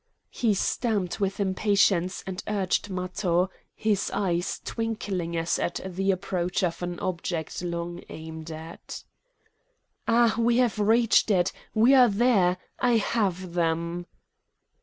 He stamped with impatience and urged Matho, his eyes twinkling as at the approach of an object long aimed at. "Ah! we have reached it! We are there! I have them!"